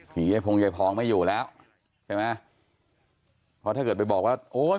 ยายพงยายพองไม่อยู่แล้วใช่ไหมเพราะถ้าเกิดไปบอกว่าโอ้ย